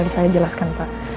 baik biar saya jelaskan pak